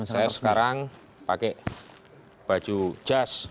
saya sekarang pakai baju jas